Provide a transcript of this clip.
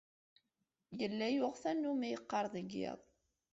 Yella yuɣ tannumi yeqqar deg yiḍ.